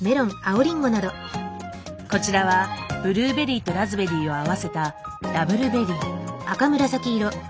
こちらはブルーベリーとラズベリーを合わせたダブルベリー。